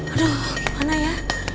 aduh gimana ya